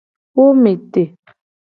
Wo me te.